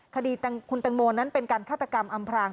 คดีคุณตังโมนั้นเป็นการฆาตกรรมอำพราง